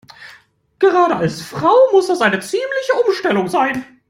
Gerade als Frau muss das eine ziemliche Umstellung sein.